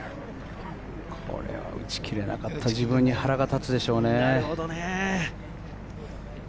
これは打ち切れなかった自分に腹が立つでしょうね。